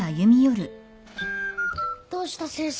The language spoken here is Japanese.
どうした先生。